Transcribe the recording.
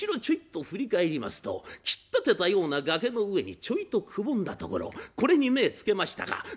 ちょいと振り返りますと切っ立てたような崖の上にちょいとくぼんだ所これに目ぇつけましたか